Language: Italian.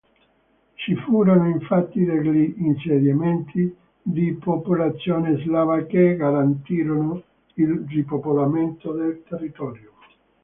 Ci furono infatti degli insediamenti di popolazione slava che garantirono il ripopolamento del territorio.